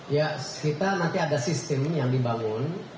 ya kita nanti ada sistem yang dibangun